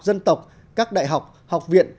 dân tộc các đại học học viện